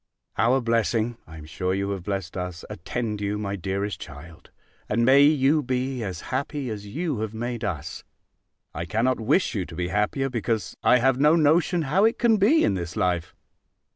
Our blessing (I am sure you have blessed us!) attend you, my dearest child; and may you be as happy as you have made us (I cannot wish you to be happier, because I have no notion how it can be in this life).